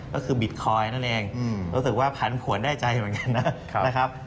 ก็คือบิตคอยน์นั่นเองรู้สึกว่าผันผวนได้ใจเหมือนกันนะครับ